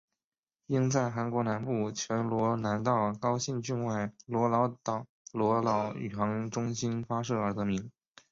因在韩国南部全罗南道高兴郡外罗老岛罗老宇航中心发射而得名。